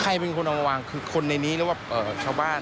ใครเป็นคนเอามาวางคือคนในนี้หรือว่าชาวบ้าน